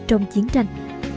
trong chiến tranh